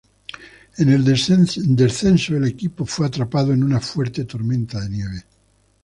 En el descenso, el equipo fue atrapado en una fuerte tormenta de nieve.